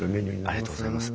ありがとうございます。